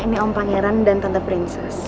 ini om pangeran dan tante princess